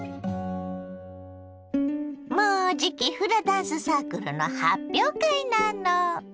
もうじきフラダンスサークルの発表会なの。